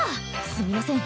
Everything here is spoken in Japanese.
すみません